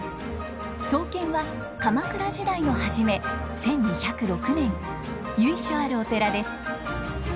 創建は鎌倉時代の初め１２０６年由緒あるお寺です。